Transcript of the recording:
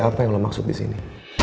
rahasia apa yang lo maksud disini